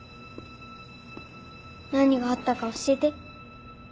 何があったか教えて。